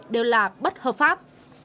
đều là bất hợp pháp